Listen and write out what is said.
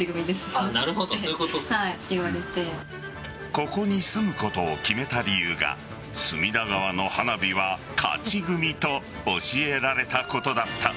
ここに住むことを決めた理由が隅田川の花火は勝ち組と教えられたことだった。